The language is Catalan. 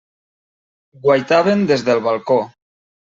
Guaitaven des del balcó.